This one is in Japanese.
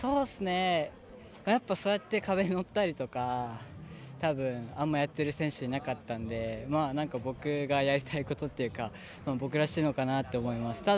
やっぱ、そうやって壁に乗ったりとかたぶん、あんまやってる選手いなかったんで僕がやりたいことというか僕らしいのかなって思います。